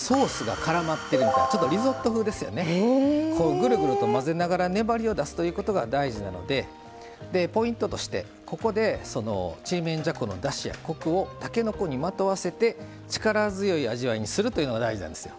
ぐるぐると混ぜながら粘りを出すということが大事なのでポイントとしてここでそのちりめんじゃこのだしやコクをたけのこにまとわせて力強い味わいにするというのが大事なんですよ。